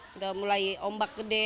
sudah mulai ombak gede